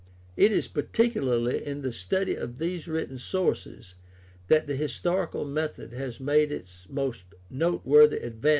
It is particularly in the study of these written sources that the historical method has made its most noteworthy advances in recent years.